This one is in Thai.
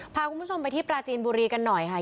พาคุณผู้ชมไปที่ปราจีนบุรีกันหน่อยค่ะ